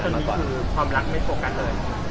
คือความรักไม่โฟกัสเลย